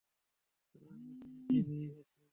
তারা নিতিনকে নিয়ে গেছে।